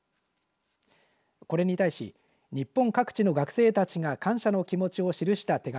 これに対し日本各地の学生たちが感謝の気持ちを記した手紙